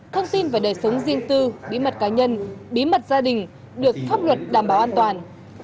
thông tin về đời sống riêng tư bí mật cá nhân bí mật gia đình được pháp luật đảm bảo an toàn